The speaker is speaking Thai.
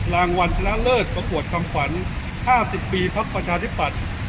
รางวัลชนะเลิศประกวดคำขวัญ๕๐ปีพักประชาธิปัตย์